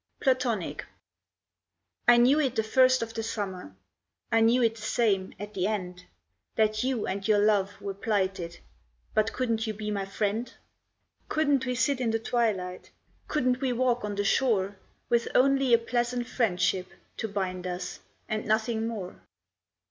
PLATONIC I knew it the first of the summer, I knew it the same at the end, That you and your love were plighted, But couldn't you be my friend? Couldn't we sit in the twilight, Couldn't we walk on the shore With only a pleasant friendship To bind us, and nothing more?